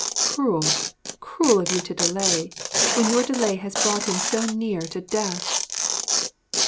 Cruel, cruel of you to delay! when your delay has brought him so near to death!'